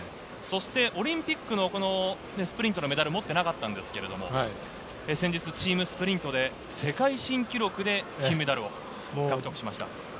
オリンピックのスプリントのメダル、持ってなかったんですけれども先日チームスプリントで世界新記録で金メダルを獲得しました。